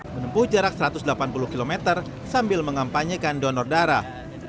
menempuh jarak satu ratus delapan puluh km sambil mengampanyekan donor darah